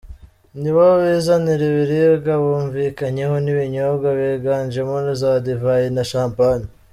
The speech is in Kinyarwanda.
Nibo bizanira ibiribwa bumvikanyeho n’ibinyobwa byiganjemo za divayi na champagne.